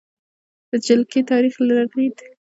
د جلکې تاریخې لرلید: